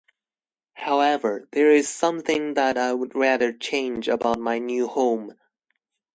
However, there is something that I would rather change about my new home.